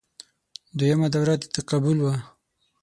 دویمه دوره د تقابل وه